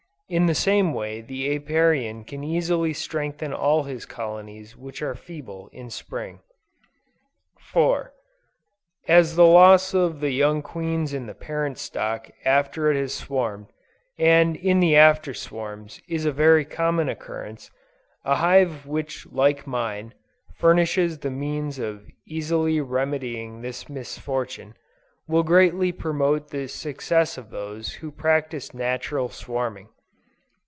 In the same way the Apiarian can easily strengthen all his colonies which are feeble in Spring. 4. As the loss of the young queens in the parent stock after it has swarmed, and in the after swarms, is a very common occurrence, a hive which like mine, furnishes the means of easily remedying this misfortune, will greatly promote the success of those who practice natural swarming.